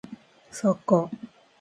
作家